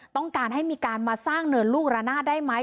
ต้องการให้มีการมาสร้างเนินลูกระนาดได้ไหม